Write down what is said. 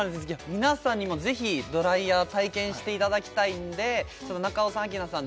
皆さんにもぜひドライヤー体験していただきたいんで中尾さん明奈さん